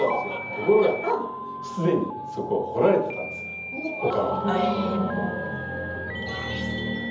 ところが既にそこは掘られてたんですほかの人に。